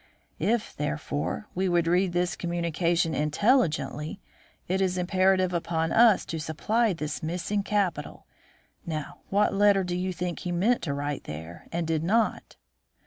If, therefore, we would read this communication intelligently, it is imperative upon us to supply this missing capital. Now, what letter do you think he meant to write there and did not?"